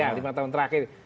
ya lima tahun terakhir